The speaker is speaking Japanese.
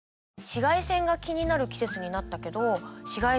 紫外線が気になる季節になったけど。